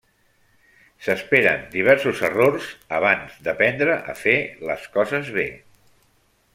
S'esperen diversos errors abans d'aprendre a fer les coses bé.